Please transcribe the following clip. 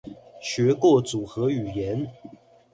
學過組合語言